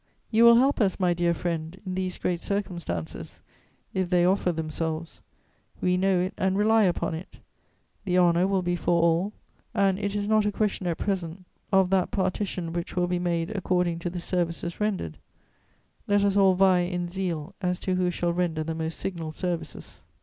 "You will help us, my dear friend, in these great circumstances, if they offer themselves. We know it and rely upon it; the honour will be for all, and it is not a question at present of that partition which will be made according to the services rendered; let us all vie in zeal as to who shall render the most signal services.